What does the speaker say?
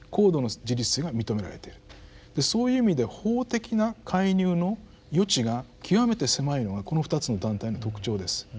そういう意味で法的な介入の余地が極めて狭いのがこの２つの団体の特徴です。